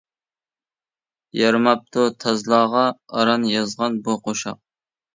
يارىماپتۇ تازلارغا، ئاران يازغان بۇ قوشاق.